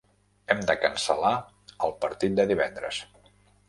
Hem de cancel·lar el partit de divendres.